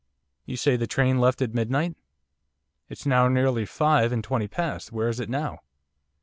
'You say the train left at midnight. It's now nearly five and twenty past. Where's it now?